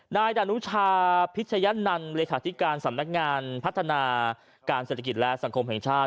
นายดานุชาพิชยะนันต์เลขาธิการสำนักงานพัฒนาการเศรษฐกิจและสังคมแห่งชาติ